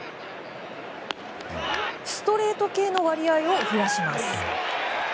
ストレート系の割合を増やします。